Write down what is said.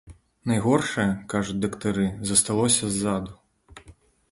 Найгоршае, кажуць дактары, засталося ззаду.